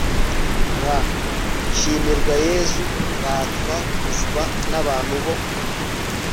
r/ shimirwa yezu, ratwa kuzwa n''abantu bo